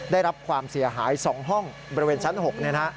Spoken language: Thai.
ได้รับความเสียหาย๒ห้องบริเวณชั้น๖นะครับ